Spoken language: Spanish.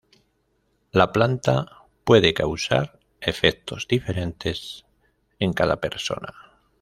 La planta puede causar efectos diferentes en cada persona.